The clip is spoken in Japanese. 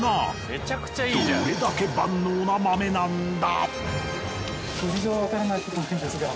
どれだけ万能な豆なんだ。